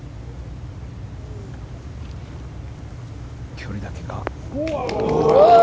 距離だけか。